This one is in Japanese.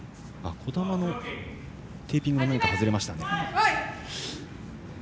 児玉のテーピングが外れましたね。